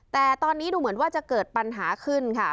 แต่ตอนนี้ดูเหมือนว่าจะเกิดปัญหาขึ้นค่ะ